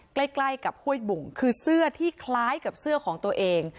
ใกล้กับห้วยบุ่งคือเสื้อที่คล้ายกับเสื้อของตัวเอง